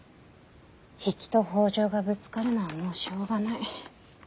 比企と北条がぶつかるのはもうしょうがない。